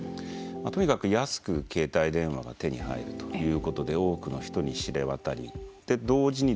とにかく安く携帯電話が手に入るということで多くの人に知れ渡り同時にですね